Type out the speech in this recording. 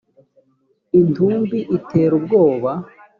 intumbi itera ubwoba